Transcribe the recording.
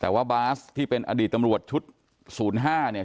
แต่ว่าบาสที่เป็นอดีตตำรวจชุด๐๕เนี่ย